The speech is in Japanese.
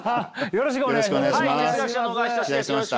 よろしくお願いします。